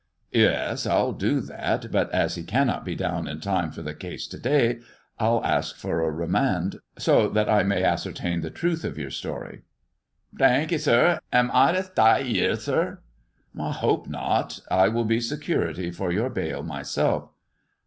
Yes, I'll do that, but as he cannot be down in time for the case to day, I'll ask for a remand, so that I may ascertain the truth of your story." THE BAINBOW CAMELLIA 321 " Thenk 'ee, sir. Em I to staiy 'ere, sir 1 "" I hope not. I will be security for your bail myself."